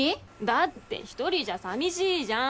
だって１人じゃさみしいじゃん！